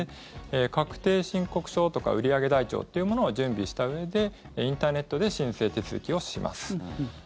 確定申告書とか売上台帳というものを準備したうえでインターネットで申請手続きをします。